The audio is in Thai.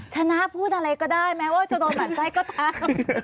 ชนะพูดอะไรก็ได้แม้ว่าจะโดนหั่นไส้ก็ตาม